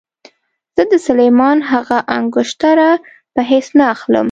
زه د سلیمان هغه انګشتره په هېڅ نه اخلم.